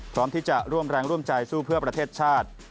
พร้อมที่จะร่วมแรงร่วมใจสู้เพื่อประเทศชาติ